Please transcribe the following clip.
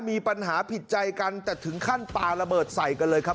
มีปัญหาผิดใจกันแต่ถึงขั้นปลาระเบิดใส่กันเลยครับ